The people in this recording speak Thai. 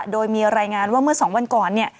โดยมีรายงานว่าเมื่อ๒วันก่อนเนี่ย